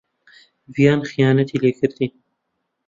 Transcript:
ڤیان خیانەتی لێ کردیت.